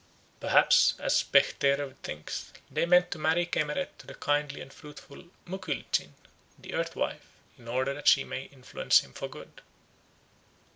Perhaps, as Bechterew thinks, they meant to marry Keremet to the kindly and fruitful Mukylcin, the Earth wife, in order that she might influence him for good."